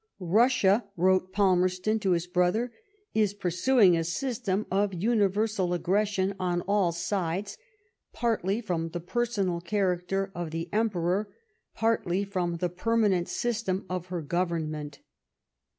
*' Russia, wrote Palmerston to his brother, is pursuing a system of universal aggression on all sides, partly from the personal character of the Emperor, partly from the permanent system of her government."